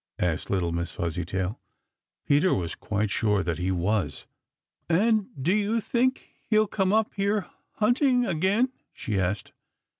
asked little Miss Fuzzytail. Peter was quite sure that he was. "And do you think he'll come up here hunting again?" she asked.